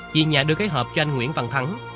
chị nhà đưa cái hộp cho anh nguyễn văn thắng